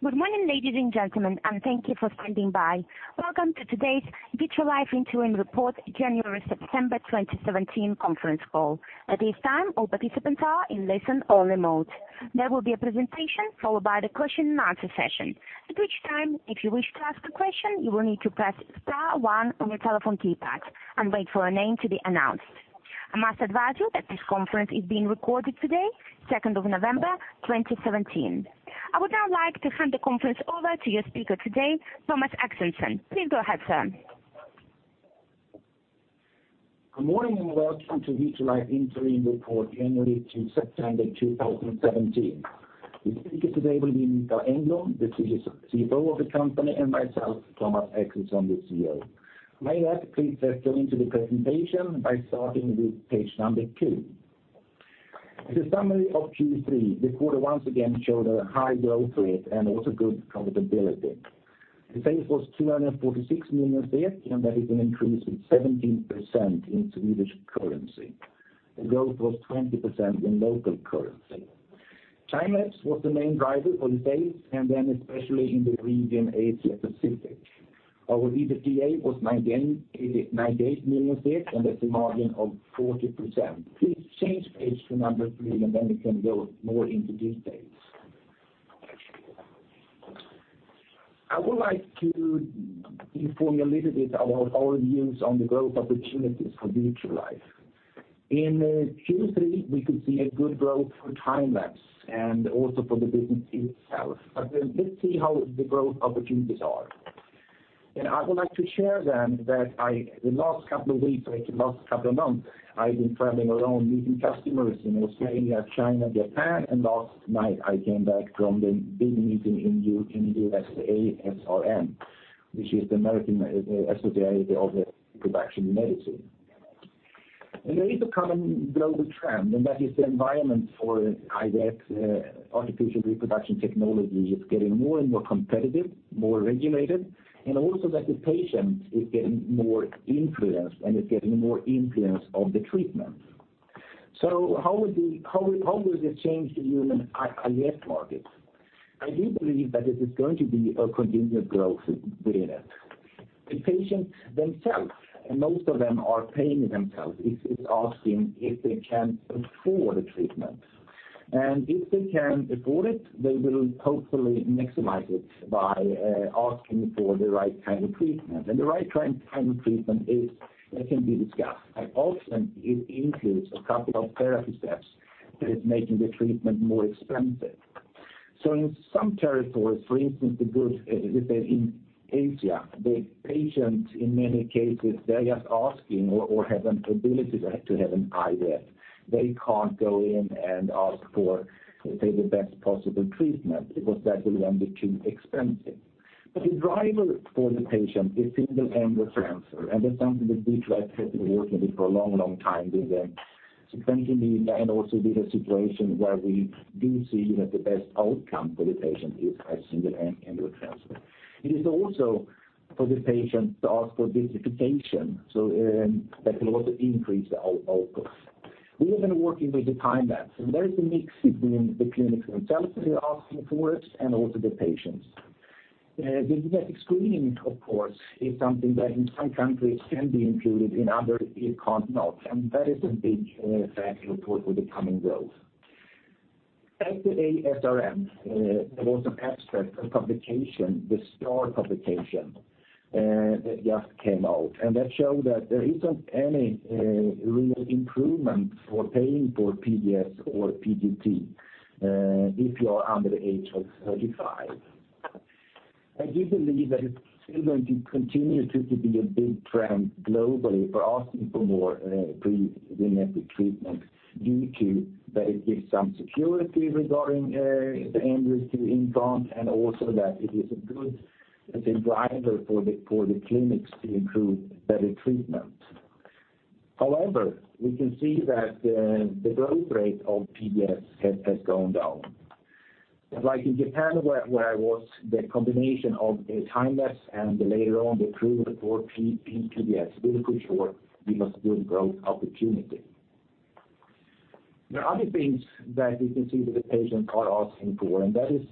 Good morning, ladies and gentlemen, and thank you for standing by. Welcome to today's Vitrolife Interim Report January, September 2017 conference call. At this time, all participants are in listen-only mode. There will be a presentation followed by the question-and-answer session. At which time, if you wish to ask a question, you will need to press star one on your telephone keypad and wait for your name to be announced. I must advise you that this conference is being recorded today, 2nd of November, 2017. I would now like to hand the conference over to your speaker today, Thomas Axelsson. Please go ahead, sir. Good morning, welcome to Vitrolife Interim Report, January to September 2017. The speaker today will be Mikael Engblom, the CFO of the company, and myself, Thomas Axelsson, the CEO. Mikael, please let's go into the presentation by starting with page number two. As a summary of Q3, the quarter once again showed a high growth rate also good profitability. The sales was 246 million, that is an increase of 17% in Swedish currency. The growth was 20% in local currency. Time-lapse was the main driver for the sales, especially in the region Asia Pacific. Our EBITDA was SEK 98 million, that's a margin of 40%. Please change page to number three, we can go more into details. I would like to inform you a little bit about our views on the growth opportunities for Vitrolife. In Q3, we could see a good growth for time-lapse and also for the business itself. Let's see how the growth opportunities are. I would like to share then, that the last couple of weeks, like last couple of months, I've been traveling around meeting customers in Australia, China, Japan, and last night I came back from the big meeting in U.S.A., ASRM, which is the American association of the reproduction medicine. There is a common global trend, and that is the environment for IVF, artificial reproduction technology is getting more and more competitive, more regulated, and also that the patient is getting more influenced, and is getting more influence of the treatment. How will this change the human IVF market? I do believe that it is going to be a continued growth within it. The patients themselves, and most of them are paying themselves, is asking if they can afford the treatment. If they can afford it, they will hopefully maximize it by asking for the right kind of treatment. The right kind of treatment is, that can be discussed, and often it includes a couple of therapy steps that is making the treatment more expensive. In some territories, for instance, the good within in Asia, the patients, in many cases, they're just asking or have an ability to have an IVF. They can't go in and ask for, say, the best possible treatment because that will then be too expensive. The driver for the patient is single embryo transfer, and that's something that Vitrolife has been working with for a long, long time with the sequentially, and also with a situation where we do see that the best outcome for the patient is by single embryo transfer. It is also for the patient to ask for vitrification, so that can also increase the output. We have been working with the time-lapse, and there is a mix between the clinics themselves asking for it and also the patients. The genetic screening, of course, is something that in some countries can be included, in other it can't not, and that is a big factor for the coming growth. At the ASRM, there was an abstract, a publication, the star publication, that just came out, and that showed that there isn't any real improvement for paying for PGS or PGT, if you are under the age of 35. I do believe that it's still going to continue to be a big trend globally for asking for more pre-genetic treatment due to that it gives some security regarding the embryos to infant, and also that it is a good, as a driver for the clinics to include better treatment. However, we can see that the growth rate of PGS has gone down. Like in Japan, where I was, the combination of the time-lapse and later on, the approval for PGS will ensure we have good growth opportunity. There are other things that we can see that the patients are asking for, and that is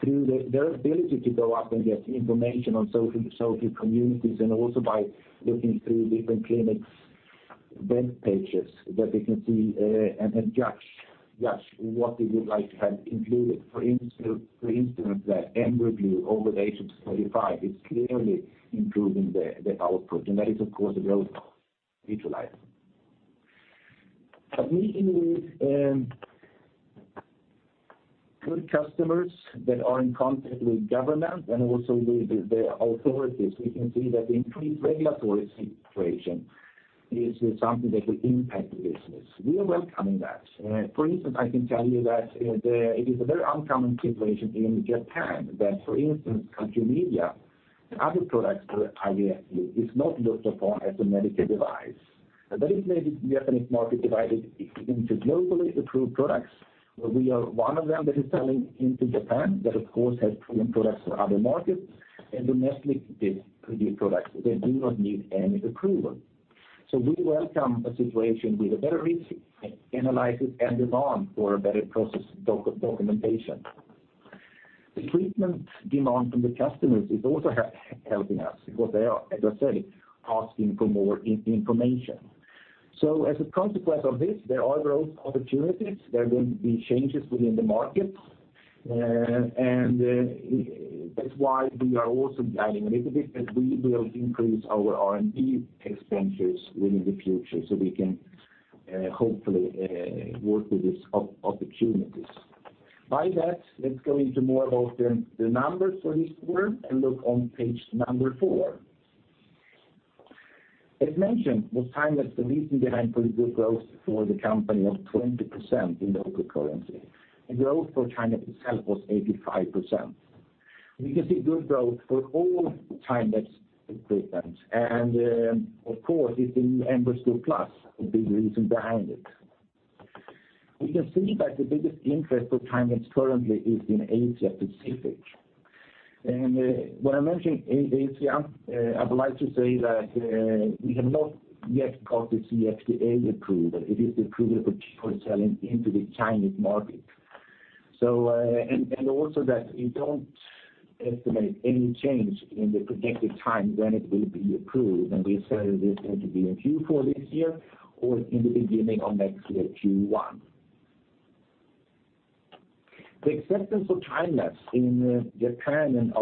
through their ability to go out and get information on social communities and also by looking through different clinics' web pages, that they can see and judge what they would like to have included. For instance, the embryo over the age of 35 is clearly improving the output, and that is, of course, available at Vitrolife. Meeting with good customers that are in contact with government and also with the authorities, we can see that the increased regulatory situation is something that will impact the business. We are welcoming that. For instance, I can tell you that it is a very uncommon situation in Japan, that, for instance, culture media, other products for IVF is not looked upon as a medical device. That has made the Japanese market divided into globally approved products, where we are one of them that is selling into Japan, that of course has proven products for other markets, and domestically produced products that do not need any approval. We welcome a situation with a better risk analysis and demand for a better process documentation. The treatment demand from the customers is also helping us because they are, as I say, asking for more information. As a consequence of this, there are growth opportunities. There are going to be changes within the market, and that's why we are also guiding a little bit, that we will increase our R&D expenditures within the future so we can hopefully work with these opportunities. By that, let's go into more about the numbers for this quarter and look on page number four. As mentioned, was time-lapse, the reason behind pretty good growth for the company of 20% in local currency. The growth for China itself was 85%. We can see good growth for all time-lapse treatments, and of course, it's the EmbryoScope+, a big reason behind it. We can see that the biggest interest for time-lapse currently is in Asia Pacific. When I mention Asia, I would like to say that we have not yet got the CFDA approval. It is approval for selling into the Chinese market. We don't estimate any change in the projected time when it will be approved, and we say this is going to be in Q4 this year or in the beginning of next year, Q1. The acceptance of time-lapse in Japan and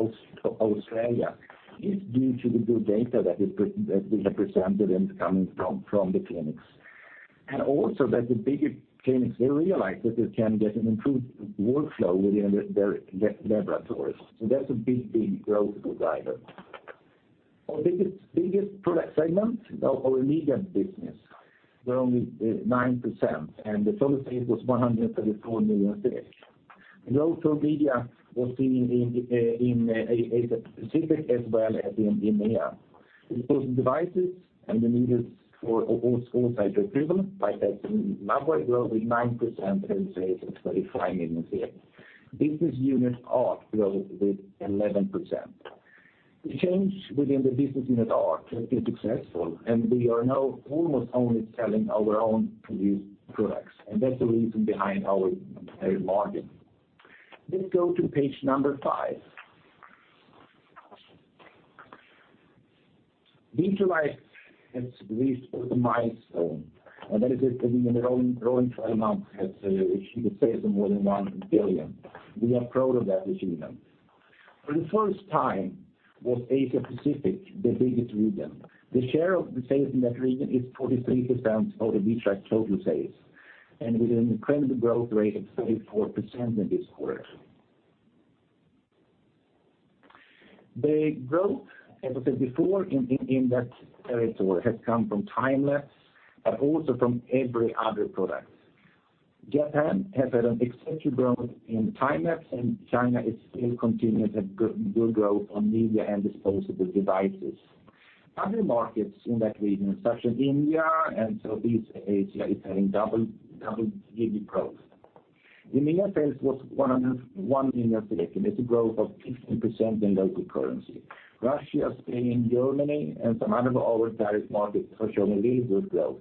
Australia is due to the good data that we have presented and coming from the clinics. The bigger clinics, they realize that they can get an improved workflow within their laboratories. That's a big growth driver. Our biggest product segment, our media business, were only 9%, and the total sales was 134 million. Growth for media was seen in Asia Pacific as well as in EMEA. It was devices and the meters for also hydrogel, pipetting, labware grew with 9%, and sales of SEK 35 million. Business unit ARC grew with 11%. The change within the business unit ARC has been successful, and we are now almost only selling our own produced products, and that's the reason behind our margin. Let's go to page number five. Vitrolife has reached a milestone, and that is that in the rolling 12 months has achieved a sales of more than 1 billion. We are proud of that achievement. For the first time, was Asia Pacific the biggest region. The share of the sales in that region is 43% of the Vitrolife total sales, and with an incredible growth rate of 34% in this quarter. The growth, as I said before, in that territory, has come from time-lapse, but also from every other product. Japan has had an exceptional growth in time-lapse. China is still continuing to good growth on media and disposable devices. Other markets in that region, such as India and Southeast Asia, is having double-digit growth. In India, sales was 101 million. It's a growth of 15% in local currency. Russia, Spain, Germany, some other of our target markets also showed a good growth.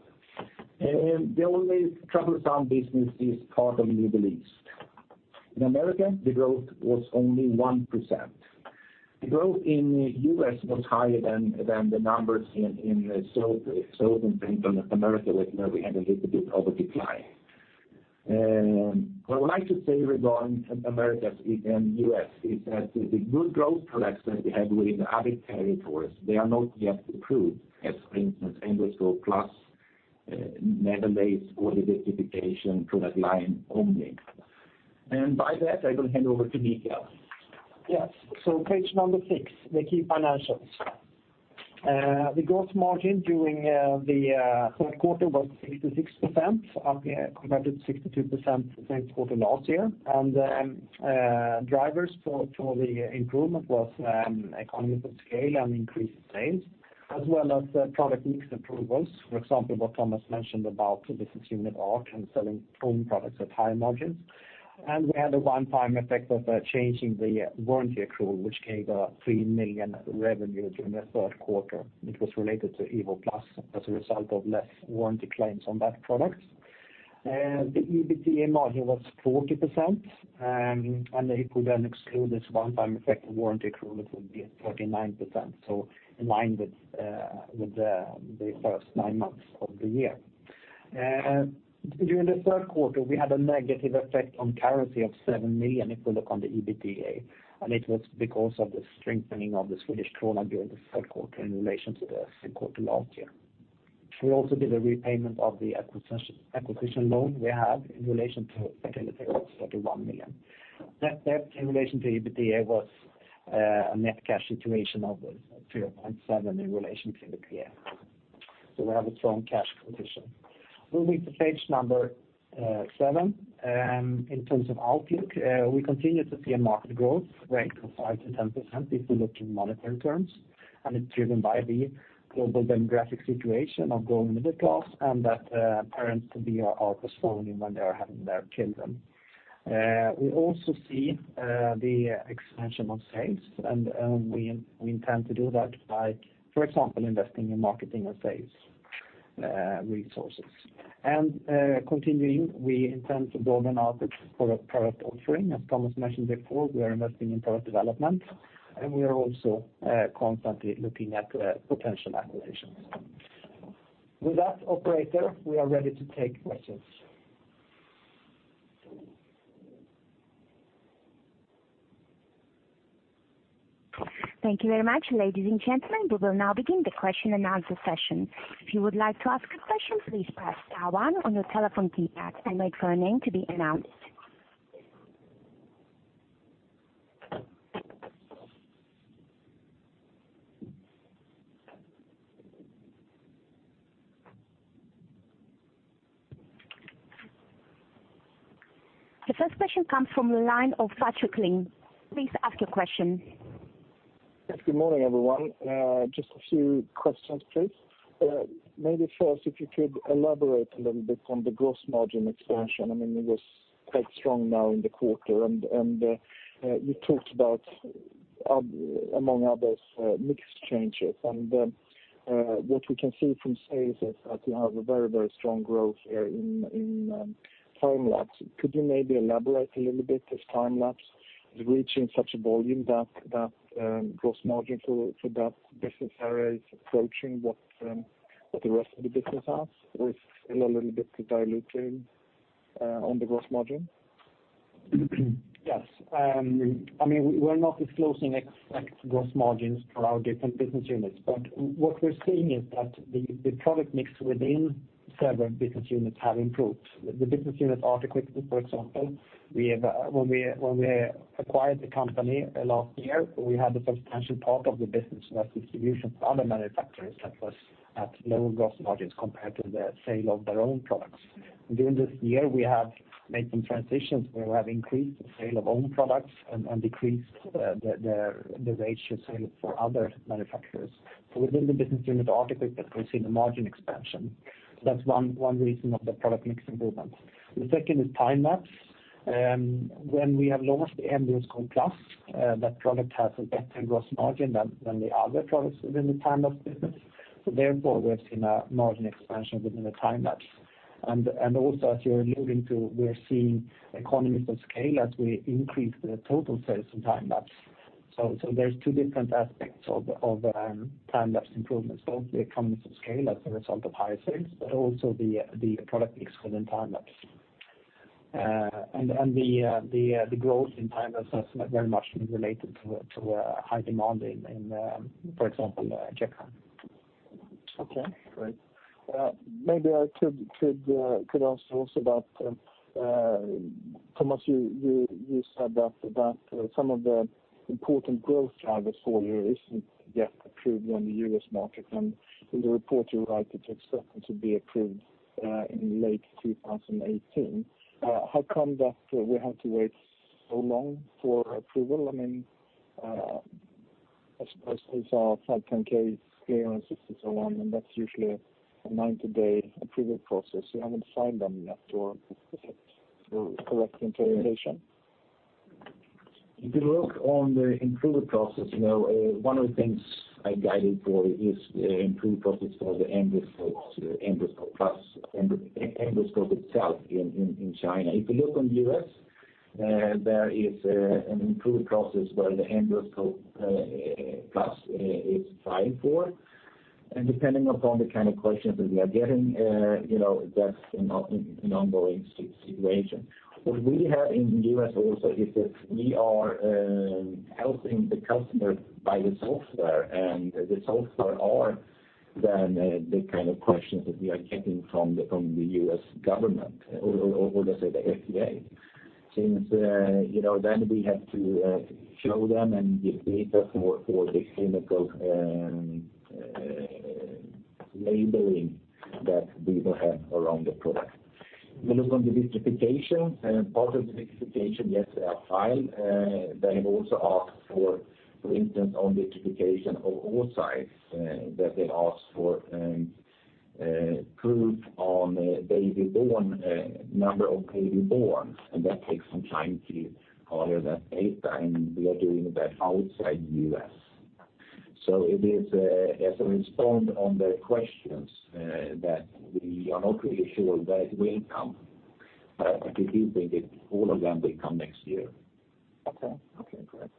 The only troublesome business is part of Middle East. In America, the growth was only 1%. The growth in US was higher than the numbers in southern America, where we had a little bit of a decline. What I would like to say regarding Americas and U.S., is that the good growth products that we have within the other territories, they are not yet approved as, for instance, EmbryoScope+, or the identification product line only. By that, I will hand over to Mikael. Yes. Page number six, the key financials. The gross margin during the third quarter was 66%, up compared to 62% the same quarter last year. Drivers for the improvement was economies of scale and increased sales, as well as the product mix improvements. For example, what Thomas mentioned about the business unit ARC and selling own products at higher margins. We had a one-time effect of changing the warranty accrual, which gave 3 million revenue during the third quarter. It was related to EVO+ as a result of less warranty claims on that product. The EBITDA margin was 40%, and if we then exclude this one-time effect, the warranty accrual, it would be at 39%, so in line with the first nine months of the year. During the third quarter, we had a negative effect on currency of 7 million, if you look on the EBITDA. It was because of the strengthening of the Swedish krona during the third quarter in relation to the second quarter last year. We also did a repayment of the acquisition loan we had in relation to FertiliTech, 31 million. Net, net in relation to EBITDA was a net cash situation of 3.7 million in relation to the previous. We have a strong cash position. We'll move to page number seven. In terms of outlook, we continue to see a market growth rate of 5%-10% if you look in monetary terms, and it's driven by the global demographic situation of growing middle class, and that parents-to-be are postponing when they are having their children. We also see the expansion of sales, and we intend to do that by, for example, investing in marketing and sales resources. Continuing, we intend to build an output product offering. As Thomas mentioned before, we are investing in product development, and we are also constantly looking at potential acquisitions. With that, operator, we are ready to take questions. Thank you very much, ladies and gentlemen. We will now begin the question and answer session. If you would like to ask a question, please press star one on your telephone keypad and wait for your name to be announced. The first question comes from the line of Patrik Ling. Please ask your question. Yes, good morning, everyone. Just a few questions, please. Maybe first, if you could elaborate a little bit on the gross margin expansion. I mean, it was quite strong now in the quarter, and you talked about, among others, mix changes. What we can see from sales is that you have a very, very strong growth here in time-lapse. Could you maybe elaborate a little bit, if time-lapse is reaching such a volume that gross margin for that business area is approaching what the rest of the business has, or is still a little bit diluting, on the gross margin? Yes. I mean, we're not disclosing exact gross margins for our different business units, but what we're seeing is that the product mix within several business units have improved. The business unit ART Equipment, for example, we have, when we acquired the company last year, we had a substantial part of the business that was distribution to other manufacturers that was at lower gross margins compared to the sale of their own products. During this year, we have made some transitions where we have increased the sale of own products and decreased the ratio sale for other manufacturers. Within the business unit ART Equipment, we've seen a margin expansion. That's one reason of the product mix improvement. The second is time-lapse. When we have launched the EmbryoScope+, that product has a better gross margin than the other products within the time-lapse business. Therefore, we've seen a margin expansion within the time-lapse. Also, as you're alluding to, we're seeing economies of scale as we increase the total sales in time-lapse. There's two different aspects of time-lapse improvements, both the economies of scale as a result of higher sales, but also the product mix within time-lapse. The growth in time-lapse is very much related to a high demand in, for example, Japan. Okay, great. Maybe I could ask also about, Thomas, you said that some of the important growth drivers for you isn't yet approved on the U.S. market. In the report, you write it's expected to be approved in late 2018. How come that we have to wait so long for approval? I mean, I suppose these are filed 510(k)s, clear, and so on, and that's usually a 90-day approval process, so I would sign them after. Is it the correct interpretation? If you look on the approval process, you know, one of the things I guided for is the approval process for the EmbryoScope+, EmbryoScope itself in China. If you look on the U.S., there is an improved process where the EmbryoScope+ is filing for. Depending upon the kind of questions that we are getting, you know, that's an ongoing situation. What we have in the U.S. also is that we are helping the customer buy the software, and the software are then the kind of questions that we are getting from the U.S. government, or, let's say, the FDA. You know, then we have to show them and give data for the clinical labeling that we will have around the product. We look on the certification, and part of the certification, yes, they are filed, they have also asked for instance, on the certification of all sites, that they ask for, proof on a baby born, number of baby born, and that takes some time to gather that data, and we are doing that outside the U.S. It is, as I respond on the questions, that we are not really sure that it will come, but we believe that it, all of them will come next year. Okay. Okay, great.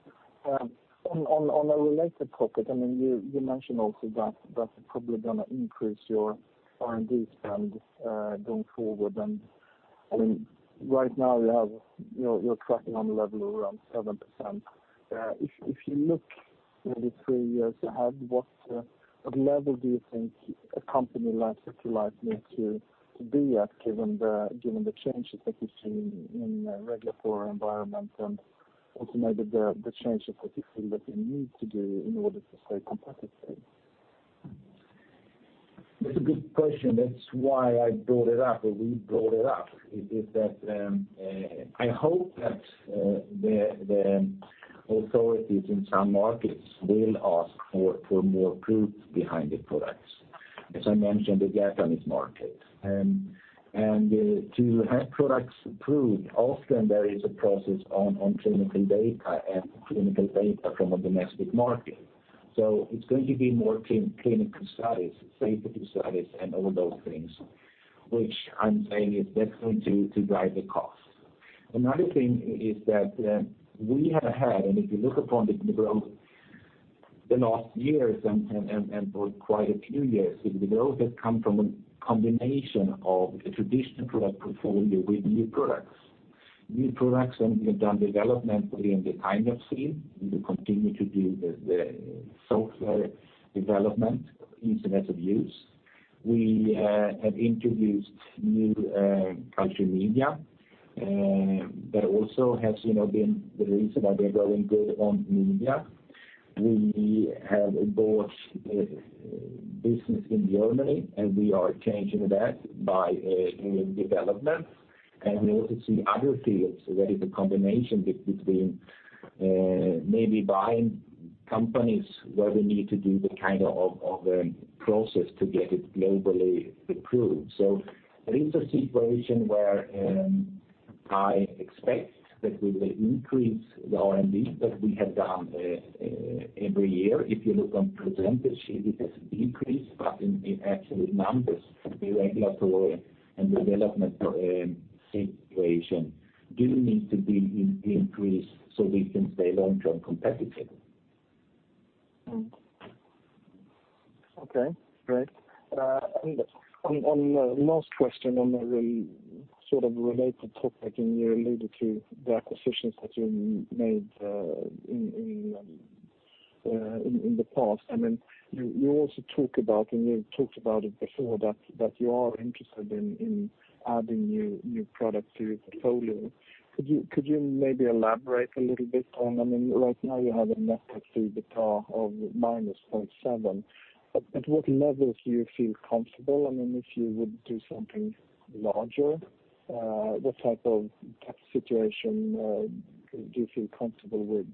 On a related topic, I mean, you mentioned also that you're probably going to increase your R&D spend going forward. I mean, right now you're tracking on a level of around 7%. If you look maybe three years ahead, what level do you think a company like Vitrolife needs to be at, given the changes that you see in the regulatory environment and also maybe the changes that you feel that you need to do in order to stay competitive? That's a good question. That's why I brought it up, or we brought it up, is that, I hope that the authorities in some markets will ask for more proof behind the products, as I mentioned, the Japanese market. To have products approved, often there is a process on clinical data and clinical data from a domestic market. It's going to be more clinical studies, safety studies, and all those things, which I'm saying is definitely to drive the cost. Another thing is that we have had, and if you look upon the growth the last years and for quite a few years, the growth has come from a combination of the traditional product portfolio with new products. New products, we have done development within the time-lapse, we continue to do the software development, ease of use. We have introduced new culture media that also has, you know, been the reason that we are growing good on media. We have bought business in Germany, we are changing that by doing development. We also see other fields where it's a combination between maybe buying companies where we need to do the kind of process to get it globally approved. It is a situation where I expect that we will increase the R&D that we have done every year. If you look on percentage, it has decreased, but in absolute numbers, the regulatory and development situation do need to be increased so we can stay long-term competitive. Okay, great. On the last question, on a sort of related topic, you alluded to the acquisitions that you made in the past. I mean, you also talk about, and you've talked about it before, that you are interested in adding new products to your portfolio. Could you maybe elaborate a little bit on, I mean, right now you have a net debt to EBITDA of -0.7. At what levels do you feel comfortable? I mean, if you would do something larger, what type of situation do you feel comfortable with?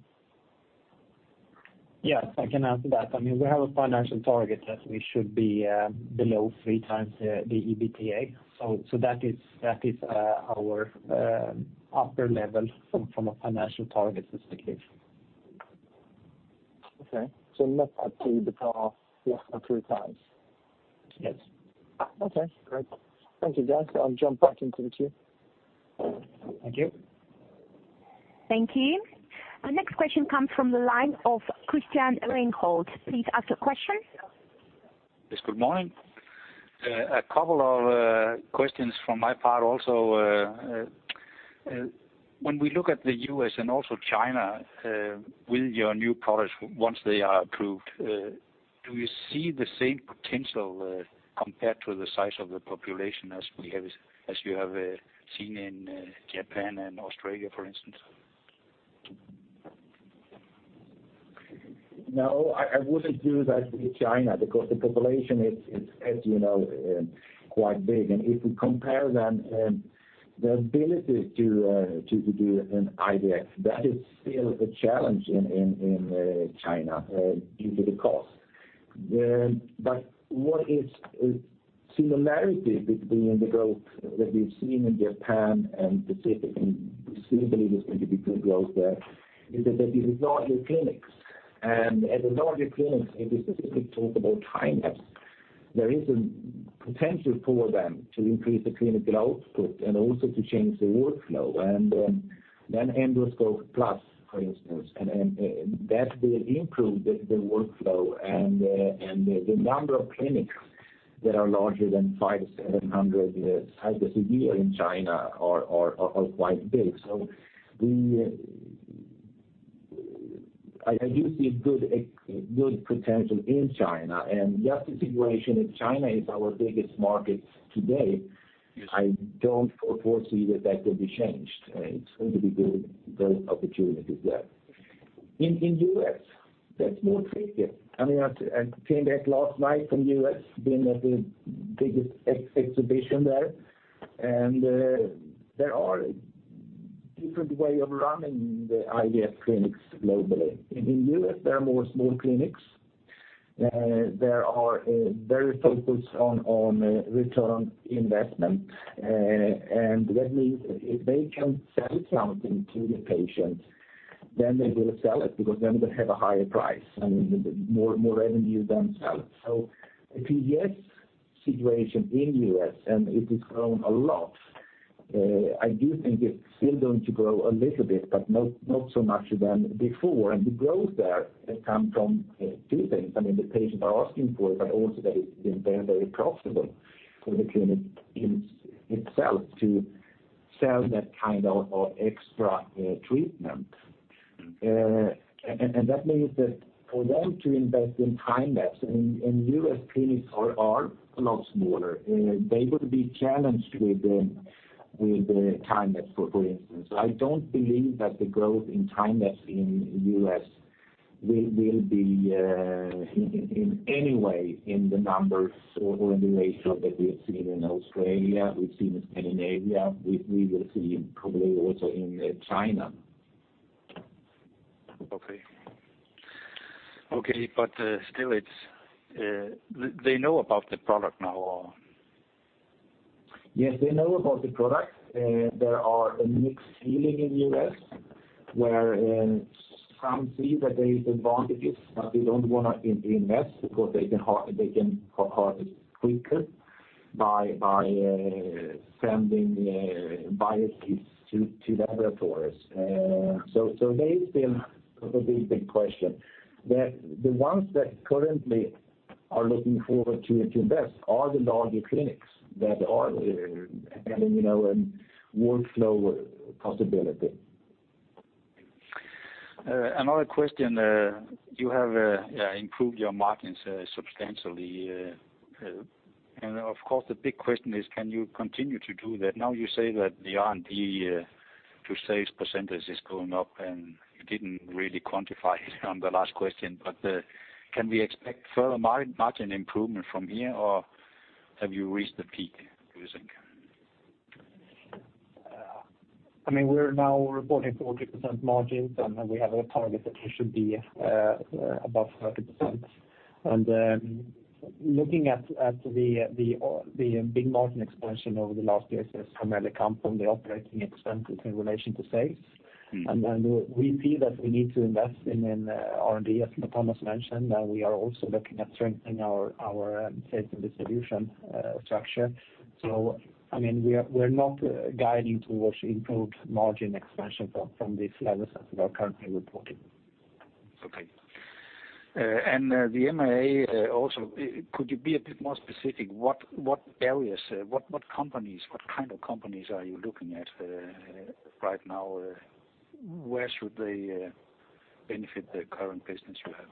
Yes, I can answer that. I mean, we have a financial target that we should be below 3x the EBITDA. That is our upper level from a financial target perspective. Okay. net to EBITDA of 3x? Yes. Okay, great. Thank you, guys. I'll jump back into the queue. Thank you. Thank you. The next question comes from the line of Christian Reinberg. Please ask your question. Yes, good morning. A couple of questions from my part also. When we look at the U.S. and also China, with your new products, once they are approved, do you see the same potential, compared to the size of the population as you have seen in Japan and Australia, for instance? No, I wouldn't do that with China, because the population is, as you know, quite big. If we compare then, the ability to do an IVF, that is still a challenge in China, due to the cost. What is a similarity between the growth that we've seen in Japan, and specifically, we still believe there's going to be good growth there, is that there is larger clinics. The larger clinics, if we specifically talk about time-lapse, there is a potential for them to increase the clinical output and also to change the workflow. EmbryoScope+, for instance, and that will improve the workflow and the number of clinics that are larger than five to 700 cycles a year in China are quite big. I do see a good potential in China, and just the situation in China is our biggest market today. Yes. I don't foresee that that will be changed. It's going to be good growth opportunities there. In U.S., that's more tricky. I mean, I came back last night from U.S., being at the biggest exhibition there, and there are different way of running the IVF clinics globally. In the U.S., there are more small clinics, there are very focused on return on investment. That means if they can sell something to the patient, then they will sell it, because then they have a higher price and more revenue themselves. The PGS situation in U.S., and it has grown a lot, I do think it's still going to grow a little bit, but not so much than before. The growth there has come from two things. I mean, the patients are asking for it, but also that it's been very, very profitable for the clinic in itself to sell that kind of extra treatment. That means that for them to invest in time-lapse, and U.S. clinics are a lot smaller, they would be challenged with the time-lapse, for instance. I don't believe that the growth in time-lapse in U.S. will be in any way in the numbers or in the ratio that we've seen in Australia, we've seen in Scandinavia, we will see probably also in China. Okay. Okay, still it's they know about the product now? Yes, they know about the product. There are a mixed feeling in the U.S., where some see that there is advantages, but they don't wanna invest because they can quicker by sending biopsies to laboratories. There's been a big question that the ones that currently are looking forward to invest are the larger clinics that are having, you know, a workflow possibility. Another question, you have improved your margins substantially. Of course, the big question is, can you continue to do that? Now you say that the R&D to sales percentage is going up, and you didn't really quantify on the last question, but, can we expect further margin improvement from here, or have you reached the peak, do you think? I mean, we're now reporting 40% margins. Then we have a target that we should be above 30%. Looking at the big margin expansion over the last years has primarily come from the operating expenses in relation to sales. Mm. We see that we need to invest in R&D, as Thomas mentioned, and we are also looking at strengthening our sales and distribution structure. I mean, we're not guiding towards improved margin expansion from these levels that we are currently reporting. Okay. The MAA, also, could you be a bit more specific? What areas, what companies, what kind of companies are you looking at right now? Where should they benefit the current business you have?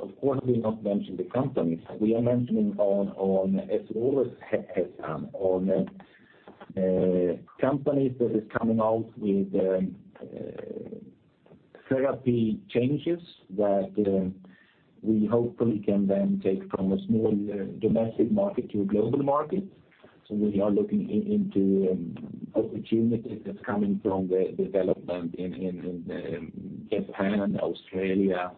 Of course, we've not mentioned the companies. We are mentioning on, as always, on companies that is coming out with therapy changes that we hopefully can then take from a small domestic market to a global market. We are looking into opportunities that's coming from the development in Japan, Australia,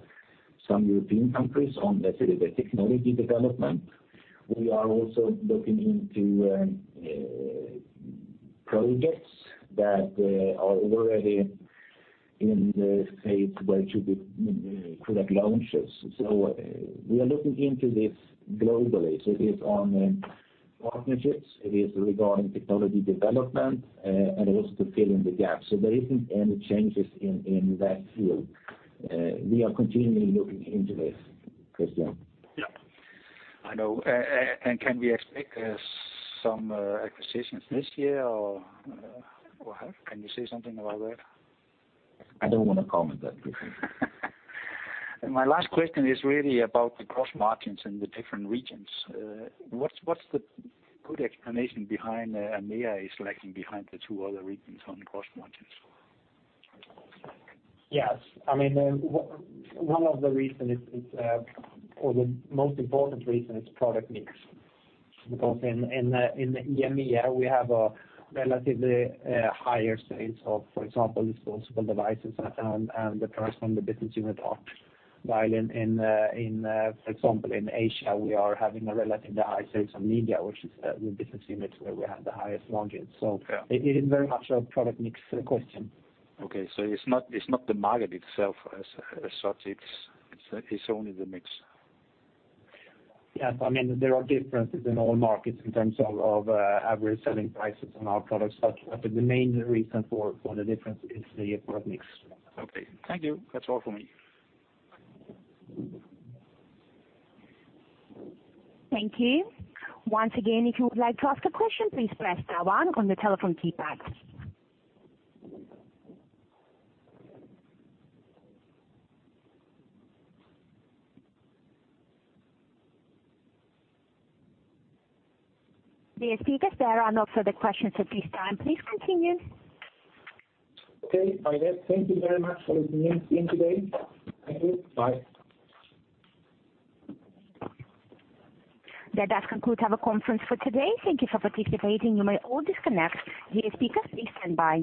some European countries on the technology development. We are also looking into projects that are already in the phase where should be product launches. We are looking into this globally. It's on partnerships, it is regarding technology development, and also to fill in the gaps. There isn't any changes in that field. We are continually looking into this, Christian. Yeah. I know. Can we expect some acquisitions this year, or what? Can you say something about that? I don't wanna comment that. My last question is really about the gross margins in the different regions. What's the good explanation behind EMEA is lagging behind the two other regions on gross margins? Yes. I mean, one of the reason is, or the most important reason is product mix. In the EMEA, we have a relatively higher sales of, for example, disposable devices, and the products from the business unit ARC. In Asia, we are having a relatively high sales on media, which is the business unit where we have the highest margins. Yeah. It is very much a product mix question. Okay, it's not, it's not the market itself as such, it's only the mix. Yes. I mean, there are differences in all markets in terms of average selling prices on our products, but the main reason for the difference is the product mix. Okay. Thank you. That's all for me. Thank you. Once again, if you would like to ask a question, please press star one on the telephone keypad. Dear speakers, there are no further questions at this time. Please continue. Okay, thank you very much for listening in today. Thank you. Bye. That does conclude our conference for today. Thank you for participating. You may all disconnect. Dear speakers, please stand by.